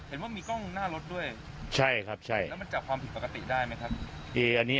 เห็นว่ามีกล้องหน้ารถด้วยใช่ครับใช่แล้วมันจับความผิดปกติได้ไหมครับ